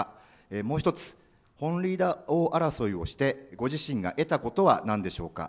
もう一つ、本塁打王争いをして、ご自身が得たことは何でしょうか。